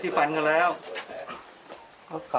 ที่ไม่หลีไปไหนเพราะอะไร